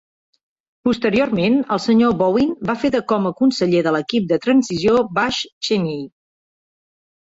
Posteriorment, el Sr. Bowen va fer de com a Conseller de l'equip de transició Bush-Cheney.